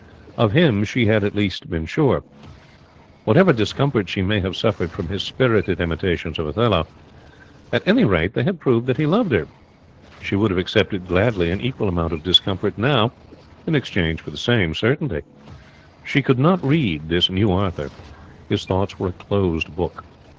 Of him she had at least been sure. Whatever discomfort she may have suffered from his spirited imitations of Othello, at any rate they had proved that he loved her. She would have accepted gladly an equal amount of discomfort now in exchange for the same certainty. She could not read this new Arthur. His thoughts were a closed book.